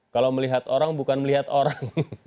kalau melihat orang bukan melihat orang